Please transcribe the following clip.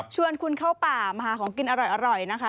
ชวนคุณเข้าป่ามาหาของกินอร่อยนะคะ